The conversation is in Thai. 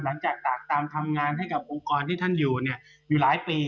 หลังจากตามทำงานให้กับองค์กรที่ท่านอยู่อยู่หลายปี